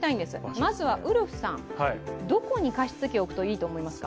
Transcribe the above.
まずはウルフさん、どこに置くのがいいと思いますか？